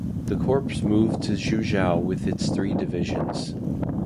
The corps moved to Xuzhou with its three divisions.